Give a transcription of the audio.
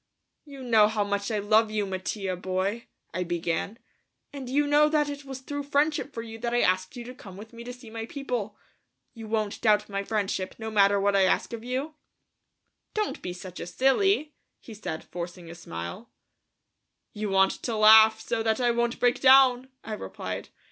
"You know how much I love you, Mattia boy," I began, "and you know that it was through friendship for you that I asked you to come with me to see my people. You won't doubt my friendship, no matter what I ask of you?" "Don't be such a silly," he said, forcing a smile. "You want to laugh so that I won't break down," I replied.